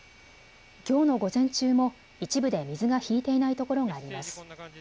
きょうの午前中も一部で水が引いていないところがあります。